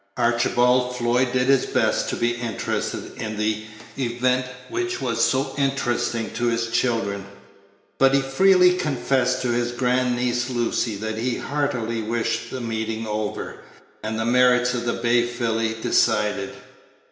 Archibald Floyd did his best to be interested in the event which was so interesting to his children; but he freely confessed to his grand niece Lucy that he heartily wished the meeting over, and the merits of the bay filly decided.